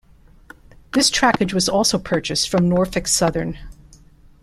This trackage was also purchased from Norfolk Southern.